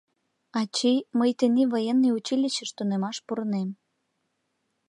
— Ачий, мый тений военный училищыш тунемаш пурынем.